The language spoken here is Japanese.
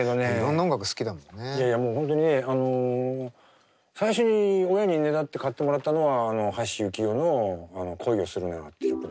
いやいやもう本当にねあの最初に親にねだって買ってもらったのは橋幸夫の「恋をするなら」って。